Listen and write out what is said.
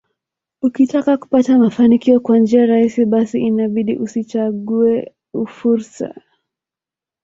Ukitaka kupata mafanikio kwa njia rahisi basi inabidi usichague fursa